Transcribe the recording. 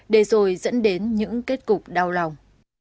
để rồi dẫn đến những kết cục đau lòng